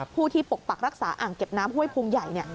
ผู้ที่ปกปักรักษาอ่างเก็บน้ำห้วยภูมิใหญ่